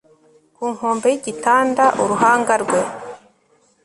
ku nkombe yigitanda uruhanga rwe